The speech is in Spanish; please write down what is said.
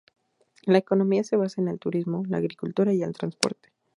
La economía se basa en el turismo, la agricultura y el transporte.